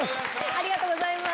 ありがとうございます。